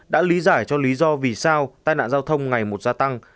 đã lý giải cho lý do vì sao tai nạn giao thông ngày một gia tăng